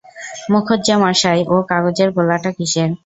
মুখুজ্যেমশায়, ও কাগজের গোলাটা কিসের?